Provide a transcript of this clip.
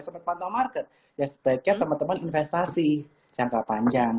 sempat pantau market ya sebaiknya teman teman investasi jangka panjang